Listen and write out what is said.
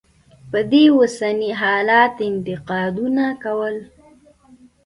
پر دې اوسني حالت انتقادونه کول.